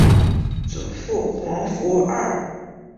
祖父黄福二。